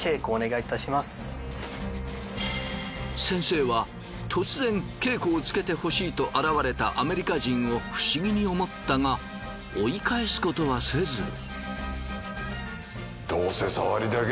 先生は突然稽古をつけてほしいと現れたアメリカ人を不思議に思ったが追い返すことはせず。